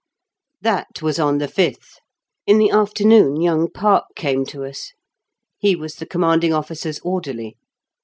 That was on the fifth. In the afternoon young Park came to us. He was the Commanding Officer's orderly.